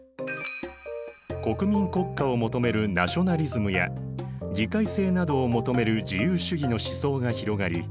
国民国家を求めるナショナリズムや議会制などを求める自由主義の思想が広がり